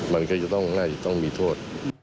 มันก็ง่ายจะต้องมีโทษ